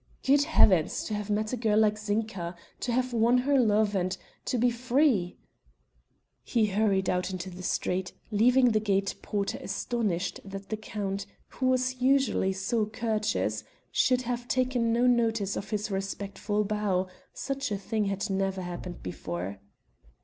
"Good heavens! to have met a girl like Zinka to have won her love and to be free!..." He hurried out into the street, leaving the gate porter astonished that the count, who was usually so courteous, should have taken no notice of his respectful bow; such a thing had never happened before.